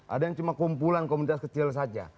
ada yang cuma kumpulan komunitas kecil saja